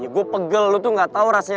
ya gue pegel lo tuh gak tau rasanya